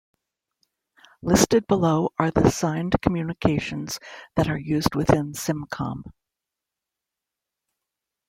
Listed below are the signed communications that are used within SimCom.